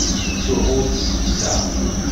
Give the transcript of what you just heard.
Ttuɣ ur t-sseqsaɣ.